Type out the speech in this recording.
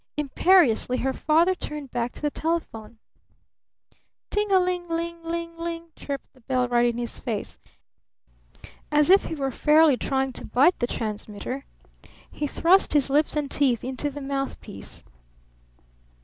Imperiously her father turned back to the telephone. Ting a ling ling ling ling, chirped the bell right in his face. As if he were fairly trying to bite the transmitter, he thrust his lips and teeth into the mouth piece.